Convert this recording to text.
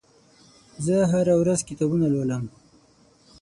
زه هره ورځ کتابونه لولم.